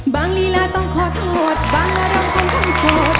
บางลีลาต้องโคตรทั้งหมดบางละร่องคนต้องโสด